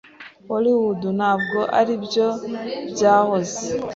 Hollywood ntabwo aribyo byahoze.